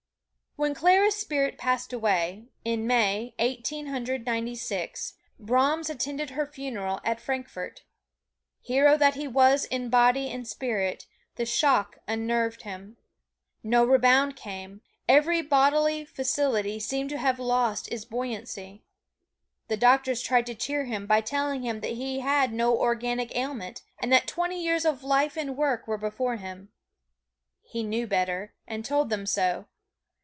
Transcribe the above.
When Clara's spirit passed away, in May, Eighteen Hundred Ninety six, Brahms attended her funeral at Frankfort. Hero that he was in body and spirit, the shock unnerved him. No rebound came every bodily faculty seemed to have lost its buoyancy. The doctors tried to cheer him by telling him that he had no organic ailment, and that twenty years of life and work were before him. He knew better, and told them so.